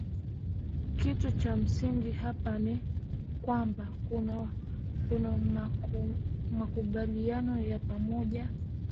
kitu cha msingi hapa ni kwamba kunamakumbaliano ya pamoja